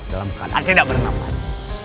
dalam keadaan tidak bernapas